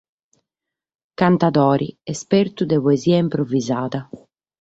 Cantadore, espertu de poesia improvisada.